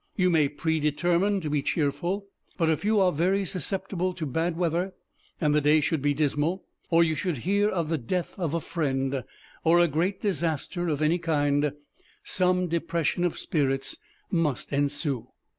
You may pre determine to be cheerful, but if you are very susceptible to bad weather, and the day should be dismal, or you should hear of the death of a friend, or a great disaster of any kind, some depression of spirits must ensue.